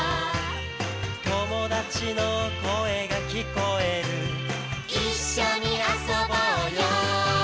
「友達の声が聞こえる」「一緒に遊ぼうよ」